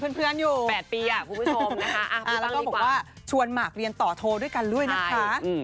ใส่ชุดคุยคิดว่าจะนานกว่านี้เราก็เริ่มแบบปล่อยวางแล้ว